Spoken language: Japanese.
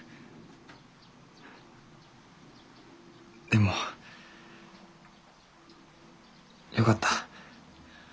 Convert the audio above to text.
でもよかった。